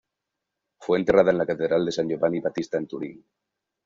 Fue enterrada en la Catedral de San Giovanni Battista en Turín.